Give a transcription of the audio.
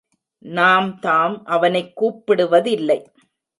நாம்தாம் அவனைக் கூப்பிடுவதில்லை.